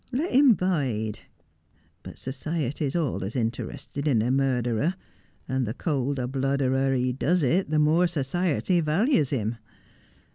Let him bide. But society's alius interested in a murderer, and thecolder bloodeder he doos it the more society vallys him.